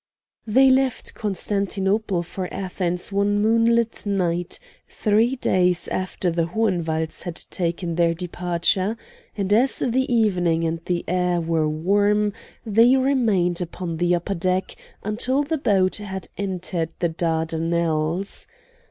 They left Constantinople for Athens one moonlight night, three days after the Hohenwalds had taken their departure, and as the evening and the air were warm, they remained upon the upper deck until the boat had entered the Dardanelles.